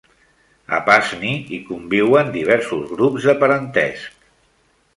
A Pasni hi conviuen diversos grups de parentesc.